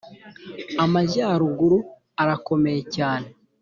Amajyaruguru arakomeye cyane